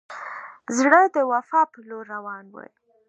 زړه د وفا پر لور روان وي.